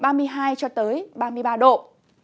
các tỉnh từ hà tĩnh trở vào đến bình thuận trời lại có nắng từ khá